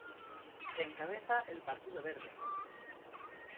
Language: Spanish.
Encabeza el partido verde.